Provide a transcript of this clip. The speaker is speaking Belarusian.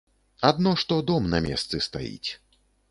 Адно што дом на месцы стаіць.